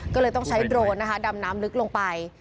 ก็เลยต้องใช้โดรนนะคะดำน้ำลึกลงไป